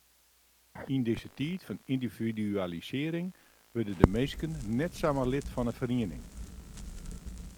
Yn dizze tiid fan yndividualisearring wurde de minsken net samar lid fan in feriening.